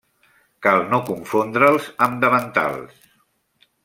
Cal no confondre'ls amb davantals.